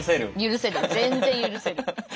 全然許せる。